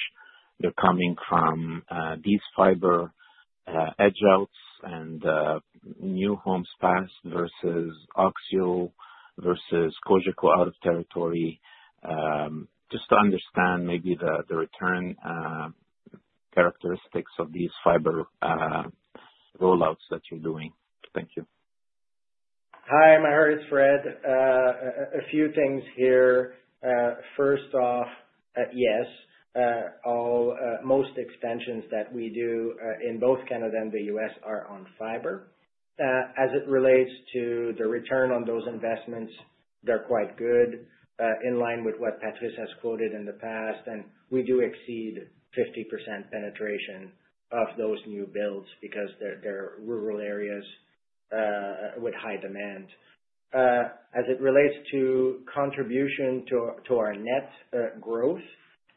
they're coming from these fiber edge-outs and new homes passed versus Oxio versus Cogeco out-of-territory? Just to understand maybe the return characteristics of these fiber rollouts that you're doing. Thank you. Hi. I'm Fred. A few things here. First off, yes. Most extensions that we do in both Canada and the U.S. are on fiber. As it relates to the return on those investments, they're quite good in line with what Patrice has quoted in the past, and we do exceed 50% penetration of those new builds because they're rural areas with high demand. As it relates to contribution to our net growth,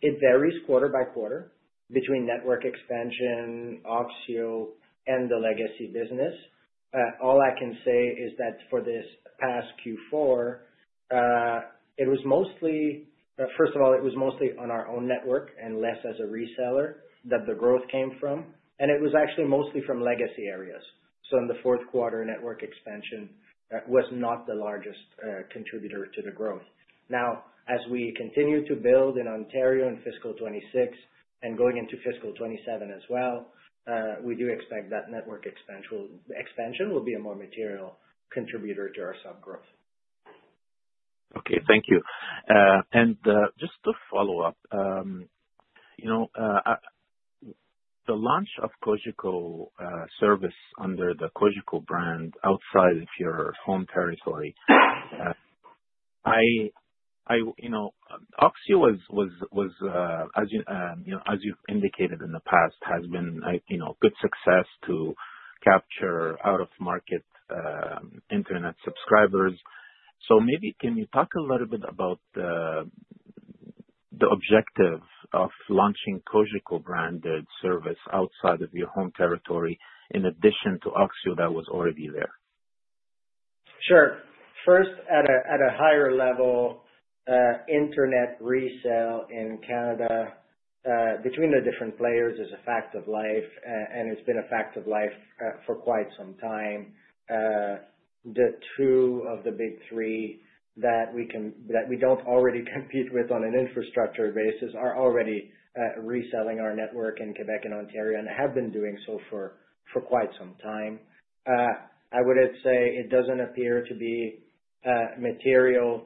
it varies quarter by quarter between network expansion, Oxio, and the legacy business. All I can say is that for this past Q4, it was mostly, first of all, it was mostly on our own network and less as a reseller that the growth came from, and it was actually mostly from legacy areas, so in the fourth quarter, network expansion was not the largest contributor to the growth. Now, as we continue to build in Ontario in fiscal 26 and going into fiscal 27 as well, we do expect that network expansion will be a more material contributor to our sub growth. Okay. Thank you. And just to follow up, the launch of Cogeco service under the Cogeco brand outside of your home territory, Oxio, as you've indicated in the past, has been a good success to capture out-of-market internet subscribers. So maybe can you talk a little bit about the objective of launching Cogeco branded service outside of your home territory in addition to Oxio that was already there? Sure. First, at a higher level, internet resale in Canada between the different players is a fact of life, and it's been a fact of life for quite some time. The two of the big three that we don't already compete with on an infrastructure basis are already reselling our network in Quebec and Ontario and have been doing so for quite some time. I would say it doesn't appear to be material,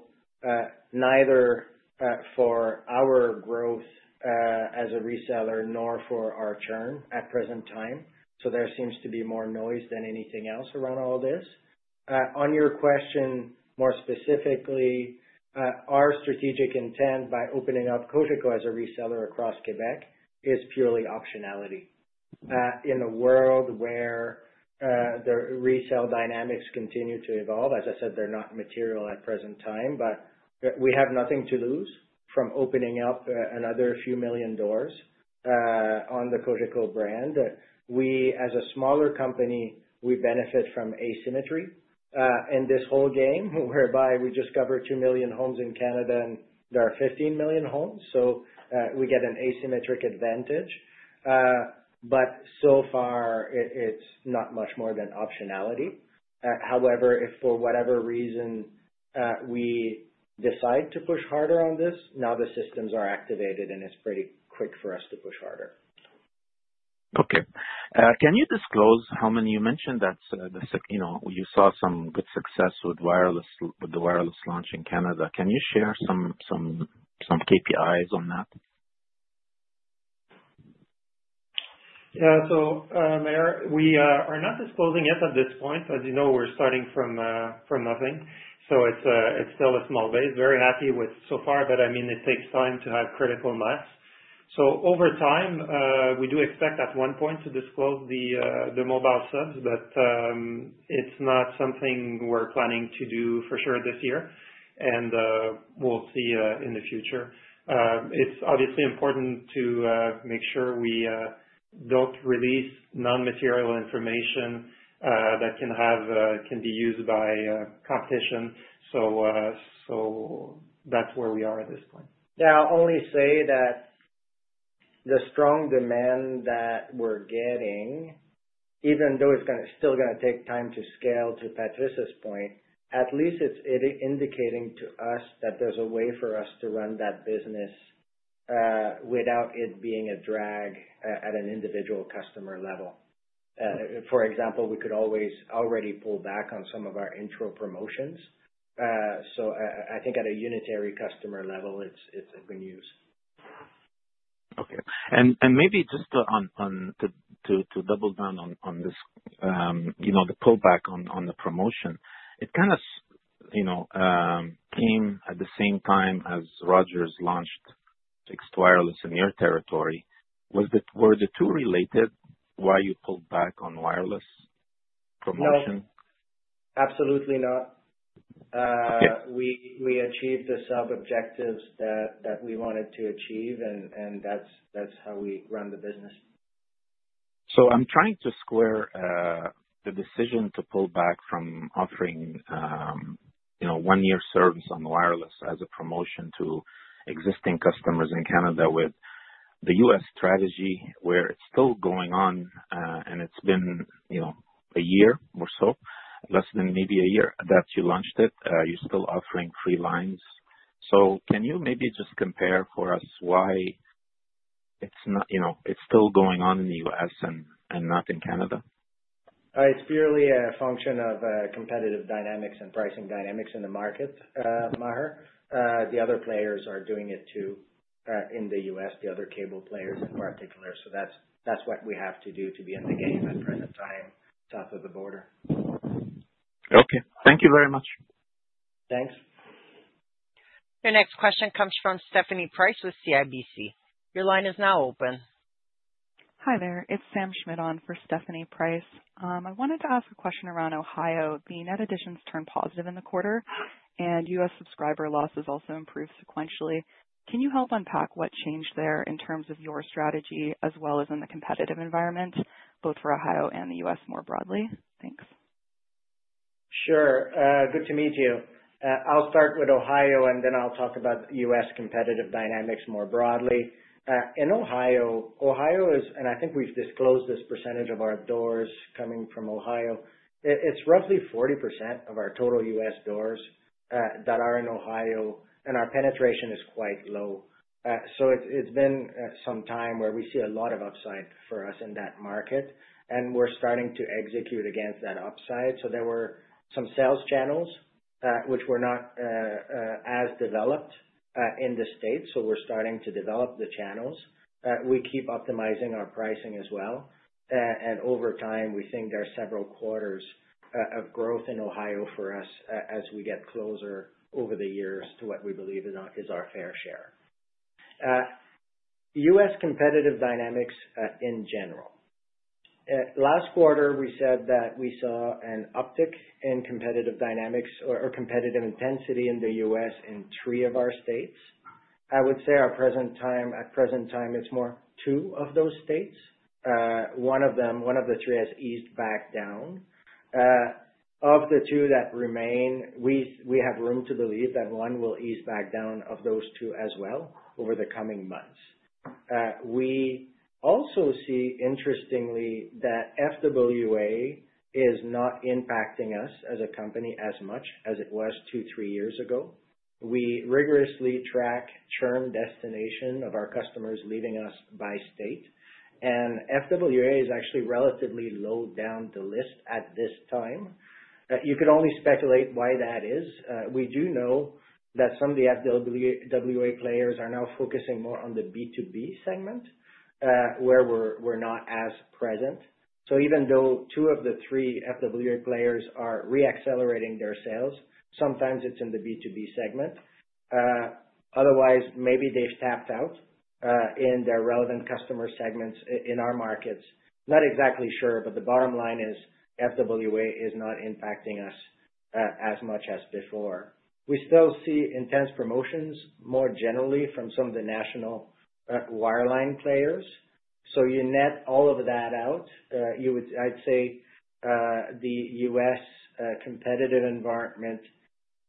neither for our growth as a reseller nor for our churn at present time. So there seems to be more noise than anything else around all this. On your question, more specifically, our strategic intent by opening up Cogeco as a reseller across Quebec is purely optionality. In a world where the resale dynamics continue to evolve, as I said, they're not material at present time, but we have nothing to lose from opening up another few million doors on the Cogeco brand. We, as a smaller company, we benefit from asymmetry in this whole game whereby we just covered 2 million homes in Canada, and there are 15 million homes. So we get an asymmetric advantage. But so far, it's not much more than optionality. However, if for whatever reason we decide to push harder on this, now the systems are activated, and it's pretty quick for us to push harder. Okay. Can you disclose how many you mentioned that you saw some good success with the wireless launch in Canada? Can you share some KPIs on that? Yeah. So we are not disclosing yet at this point. As you know, we're starting from nothing. So it's still a small base. Very happy with so far, but I mean, it takes time to have critical mass. So over time, we do expect at one point to disclose the mobile subs, but it's not something we're planning to do for sure this year. And we'll see in the future. It's obviously important to make sure we don't release non-material information that can be used by competition. So that's where we are at this point. Yeah. I'll only say that the strong demand that we're getting, even though it's still going to take time to scale, to Patrice's point, at least it's indicating to us that there's a way for us to run that business without it being a drag at an individual customer level. For example, we could already pull back on some of our intro promotions. So I think at a unitary customer level, it's good news. Okay. And maybe just to double down on this, the pullback on the promotion, it kind of came at the same time as Rogers launched fixed wireless in your territory. Were the two related? Why you pulled back on wireless promotion? No. Absolutely not. We achieved the sub objectives that we wanted to achieve, and that's how we run the business. I'm trying to square the decision to pull back from offering one-year service on wireless as a promotion to existing customers in Canada with the U.S. strategy where it's still going on, and it's been a year or so, less than maybe a year that you launched it. You're still offering free lines. Can you maybe just compare for us why it's still going on in the U.S. and not in Canada? It's purely a function of competitive dynamics and pricing dynamics in the market, Maher. The other players are doing it too in the U.S., the other cable players in particular. So that's what we have to do to be in the game at present time, north of the border. Okay. Thank you very much. Thanks. Your next question comes from Stephanie Price with CIBC. Your line is now open. Hi there. It's Sam Schmidt on for Stephanie Price. I wanted to ask a question around Ohio. The net additions turned positive in the quarter, and U.S. subscriber losses also improved sequentially. Can you help unpack what changed there in terms of your strategy as well as in the competitive environment, both for Ohio and the U.S. more broadly? Thanks. Sure. Good to meet you. I'll start with Ohio, and then I'll talk about U.S. competitive dynamics more broadly. In Ohio, Ohio is, and I think we've disclosed this percentage of our doors coming from Ohio, it's roughly 40% of our total U.S. doors that are in Ohio, and our penetration is quite low. So it's been some time where we see a lot of upside for us in that market, and we're starting to execute against that upside. So there were some sales channels which were not as developed in the state. So we're starting to develop the channels. We keep optimizing our pricing as well. And over time, we think there are several quarters of growth in Ohio for us as we get closer over the years to what we believe is our fair share. U.S. competitive dynamics in general. Last quarter, we said that we saw an uptick in competitive dynamics or competitive intensity in the U.S. in three of our states. I would say at present time, it's more two of those states. One of the three has eased back down. Of the two that remain, we have room to believe that one will ease back down of those two as well over the coming months. We also see, interestingly, that FWA is not impacting us as a company as much as it was two, three years ago. We rigorously track churn destination of our customers leaving us by state, and FWA is actually relatively low down the list at this time. You could only speculate why that is. We do know that some of the FWA players are now focusing more on the B2B segment where we're not as present. So even though two of the three FWA players are re-accelerating their sales, sometimes it's in the B2B segment. Otherwise, maybe they've tapped out in their relevant customer segments in our markets. Not exactly sure, but the bottom line is FWA is not impacting us as much as before. We still see intense promotions more generally from some of the national wireline players. So you net all of that out, I'd say the U.S. competitive environment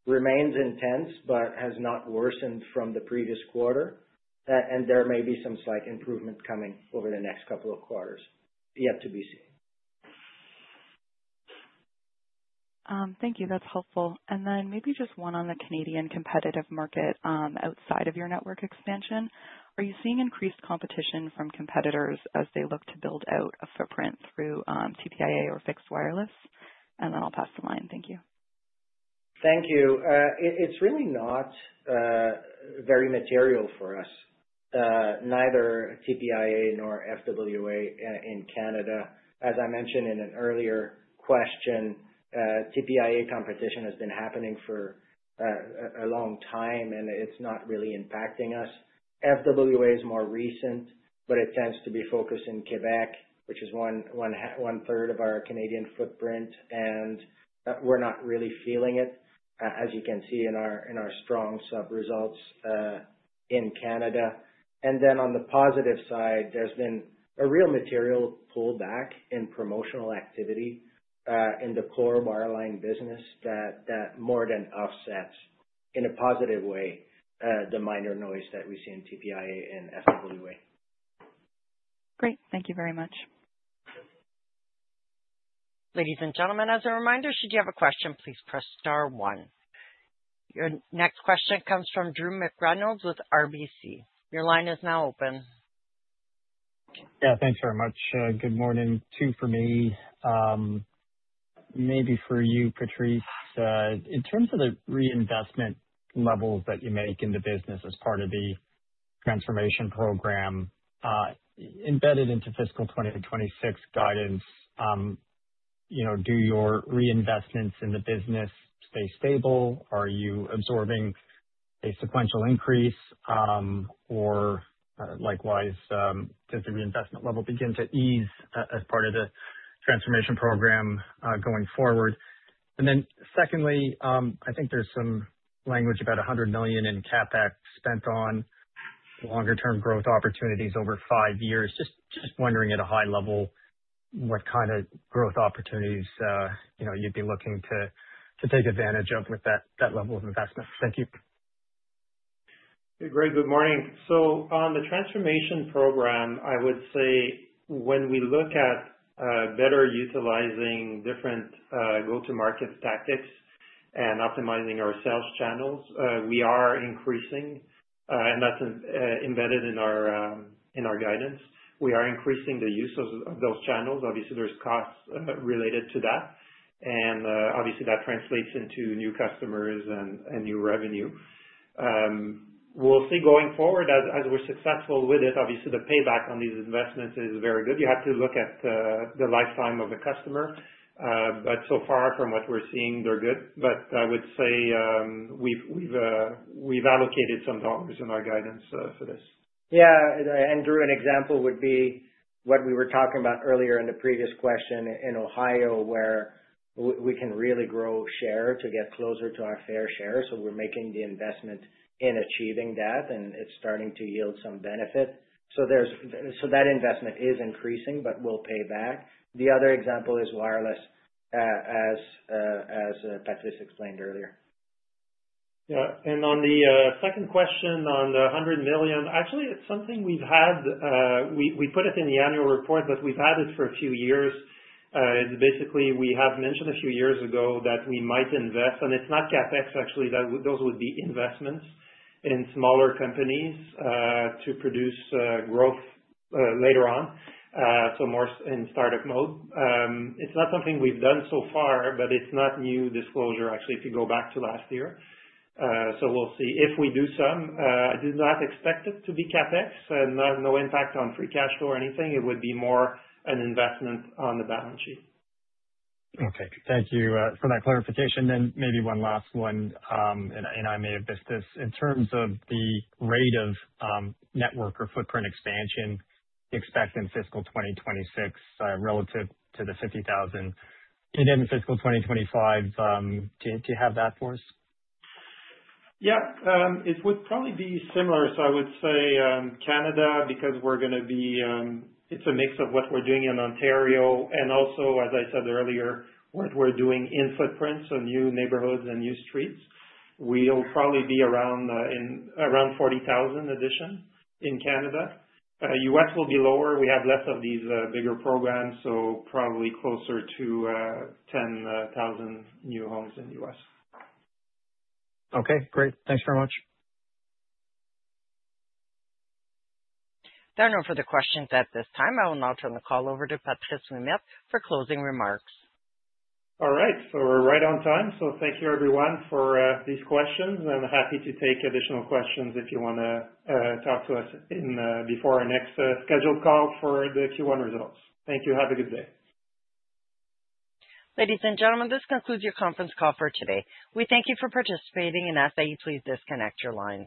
remains intense but has not worsened from the previous quarter. And there may be some slight improvement coming over the next couple of quarters. Yet to be seen. Thank you. That's helpful. And then maybe just one on the Canadian competitive market outside of your network expansion. Are you seeing increased competition from competitors as they look to build out a footprint through TPIA or fixed wireless? And then I'll pass the line. Thank you. Thank you. It's really not very material for us, neither TPIA nor FWA in Canada. As I mentioned in an earlier question, TPIA competition has been happening for a long time, and it's not really impacting us. FWA is more recent, but it tends to be focused in Quebec, which is one-third of our Canadian footprint. And we're not really feeling it, as you can see in our strong sub results in Canada. And then on the positive side, there's been a real material pullback in promotional activity in the core wireline business that more than offsets in a positive way the minor noise that we see in TPIA and FWA. Great. Thank you very much. Ladies and gentlemen, as a reminder, should you have a question, please press star one. Your next question comes from Drew McReynolds with RBC. Your line is now open. Yeah. Thanks very much. Good morning too for me. Maybe for you, Patrice. In terms of the reinvestment levels that you make in the business as part of the transformation program embedded into fiscal 2026 guidance, do your reinvestments in the business stay stable? Are you absorbing a sequential increase? Or likewise, does the reinvestment level begin to ease as part of the transformation program going forward? And then secondly, I think there's some language about 100 million in CapEx spent on longer-term growth opportunities over five years. Just wondering at a high level what kind of growth opportunities you'd be looking to take advantage of with that level of investment. Thank you. Hey, Greg. Good morning. So on the transformation program, I would say when we look at better utilizing different go-to-market tactics and optimizing our sales channels, we are increasing, and that's embedded in our guidance. We are increasing the use of those channels. Obviously, there's costs related to that. And obviously, that translates into new customers and new revenue. We'll see going forward as we're successful with it. Obviously, the payback on these investments is very good. You have to look at the lifetime of a customer. But so far, from what we're seeing, they're good. But I would say we've allocated some dollars in our guidance for this. Yeah. And Drew, an example would be what we were talking about earlier in the previous question in Ohio where we can really grow share to get closer to our fair share. So we're making the investment in achieving that, and it's starting to yield some benefit. So that investment is increasing, but we'll pay back. The other example is wireless, as Patrice explained earlier. Yeah, and on the second question on the 100 million, actually, it's something we've had. We put it in the annual report, but we've had it for a few years. Basically, we have mentioned a few years ago that we might invest, and it's not CapEx, actually. Those would be investments in smaller companies to produce growth later on, so more in startup mode. It's not something we've done so far, but it's not new disclosure, actually, if you go back to last year. So we'll see. If we do some, I do not expect it to be CapEx, and no impact on free cash flow or anything. It would be more an investment on the balance sheet. Okay. Thank you for that clarification. And maybe one last one, and I may have missed this. In terms of the rate of network or footprint expansion expected in fiscal 2026 relative to the 50,000, and in fiscal 2025, do you have that for us? Yeah. It would probably be similar. So I would say Canada because we're going to be. It's a mix of what we're doing in Ontario. And also, as I said earlier, what we're doing in footprints, so new neighborhoods and new streets. We'll probably be around 40,000 addition in Canada. U.S. will be lower. We have less of these bigger programs, so probably closer to 10,000 new homes in the U.S. Okay. Great. Thanks very much. There are no further questions at this time. I will now turn the call over to Patrice Ouimet for closing remarks. All right, so we're right on time, so thank you, everyone, for these questions, and happy to take additional questions if you want to talk to us before our next scheduled call for the Q1 results. Thank you. Have a good day. Ladies and gentlemen, this concludes your conference call for today. We thank you for participating, and ask that you please disconnect your lines.